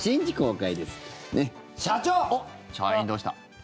おっ、社員、どうした。